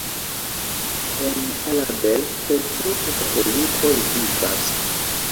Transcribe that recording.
En Alabel precipe katolikoj vivas.